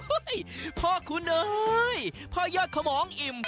โอ้โหพ่อคุณเฮ้ยพ่อยอดขมองอิ่ม